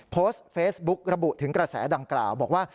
โพสต์เฟซบุ๊กระบุถึงกระแสดังกล่าวบอกว่า